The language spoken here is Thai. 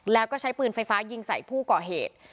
แล้วก็ใช้ปืนไฟฟ้ายิงใส่ผู้ก่อเหตุ